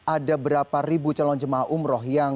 ada berapa ribu calon jemaah umroh yang